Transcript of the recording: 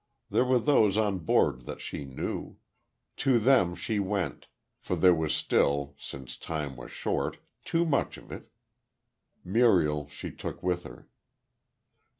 There were those on board that she knew. To them she went; for there was still, since time was short, too much of it. Muriel she took with her.